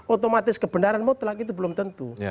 otomatis kebenaran mutlak itu belum tentu